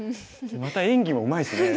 また演技もうまいですね。